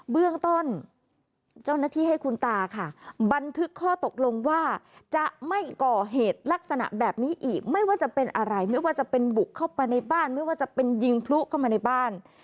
เบื้องต้นเจ้าหน้าที่ให้คุณตาค่ะบันทึกข้อตกลงว่าจะไม่ก่อเหตุลักษณะแบบนี้อีกไม่ว่าจะเป็นอะไรไม่ว่าจะเป็นบุกเข้าไปในบ้านไม่ว่าจะเป็นยิงพลุเข้ามาในบ้าน